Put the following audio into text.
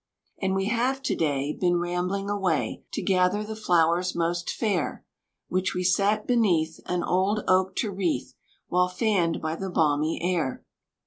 And we have to day Been rambling away To gather the flowers most fair, Which we sat beneath An old oak to wreath While fanned by the balmy air.